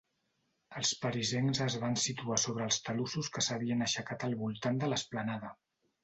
Els parisencs es van situar sobre els talussos que s'havien aixecat al voltant de l'esplanada.